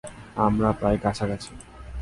আমরা প্রায় কাছাকাছি।